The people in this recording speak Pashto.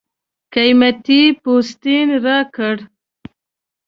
قېمتي پوستین راکړ.